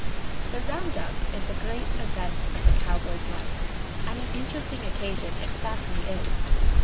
The "round up" is the great event of the cowboy's life, and an interesting occasion it certainly is.